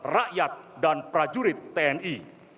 rakyat dan prajurit tni